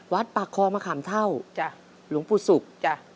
วัดปากคอมะขามเท่าจ้ะหลวงปู่ศุกร์จ้ะ